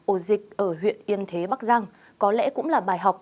ổ dịch ở huyện yên thế bắc giang có lẽ cũng là bài học